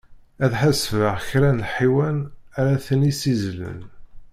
Ad ḥasbeɣ kra n lḥiwan ara ten-issizzlen.